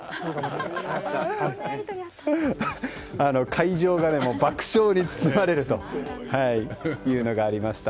会場が爆笑に包まれるというのがありました。